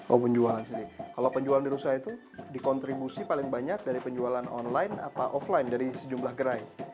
oh penjualan sendiri kalau penjualan di rusia itu dikontribusi paling banyak dari penjualan online atau offline dari sejumlah gerai